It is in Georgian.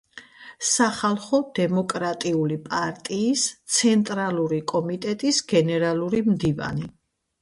სახალხო დემოკრატიული პარტიის ცენტრალური კომიტეტის გენერალური მდივანი.